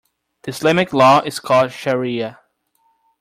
The Islamic law is called shariah.